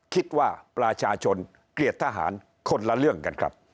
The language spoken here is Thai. คิดว่าประชาชนเกลียดทหารคนละเรื่องกันครับ